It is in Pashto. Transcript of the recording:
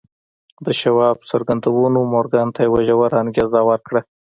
د شواب څرګندونو مورګان ته يوه ژوره انګېزه ورکړه.